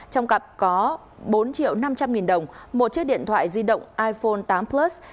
trong cặp có bốn triệu năm trăm linh nghìn đồng một chiếc điện thoại di động iphone tám plus